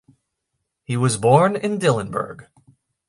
He was born in Dillenburg.